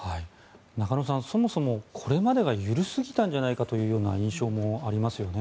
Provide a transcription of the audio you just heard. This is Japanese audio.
中野さん、そもそもこれまでが緩すぎたんじゃないかというような印象もありますよね。